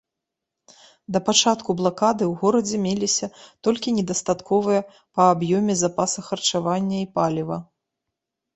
Да пачатку блакады ў горадзе меліся толькі недастатковыя па аб'ёме запасы харчавання і паліва.